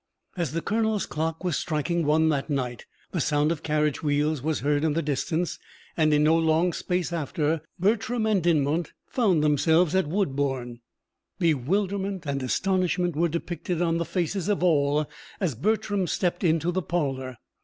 As the colonel's clock was striking one that night the sound of carriage wheels was heard in the distance, and in no long space after, Bertram and Dinmont found themselves at Woodbourne. Bewilderment and astonishment were depicted on the faces of all as Bertram stepped into the parlour.